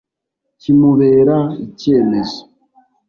kimubera icyemezo